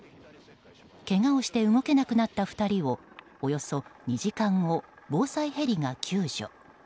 けがをして動けなくなった２人をおよそ２時間後、防災ヘリが救助。